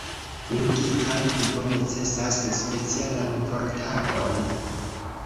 Logika lingvo necesas specialan vortaron.